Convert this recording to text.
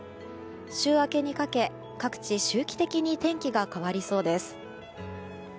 週明けにかけ各地周期的に天気が変わりそうです。